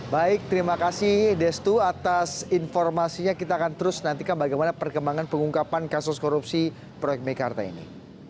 baik terima kasih destu atas informasinya kita akan terus nantikan bagaimana perkembangan pengungkapan kasus korupsi proyek mekarta ini